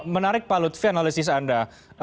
menarik pak lutfi analisis anda